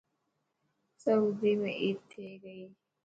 سوئدي ۾ عيد ٿي گئي.